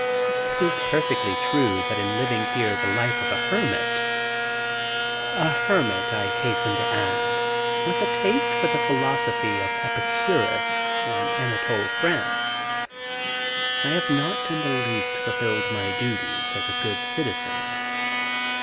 It is perfectly true that in living here the life of a hermit — a hermit, I hasten A 1 THE GARDEN GOD to add, with a taste for the philosophy of Epicurus and Anatole France — I have not in the least fulfilled my duties as a good citizen.